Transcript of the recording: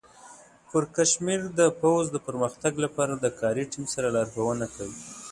پړکمشر د پوځ د پرمختګ لپاره د کاري ټیم سره لارښوونه کوي.